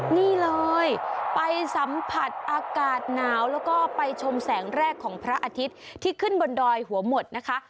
นี่เลยไปสัมผัสอากาศหนาวแล้วก็ไปชมแสงแรกของพระอาทิตย์ที่ขึ้นบนดอยหัวหมดนะคะ